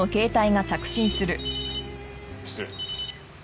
失礼。